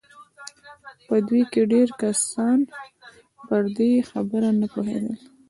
په دوی کې ډېر کسان پر دې خبره نه پوهېدل